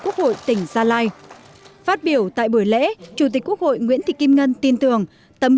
quốc hội tỉnh gia lai phát biểu tại buổi lễ chủ tịch quốc hội nguyễn thị kim ngân tin tưởng tấm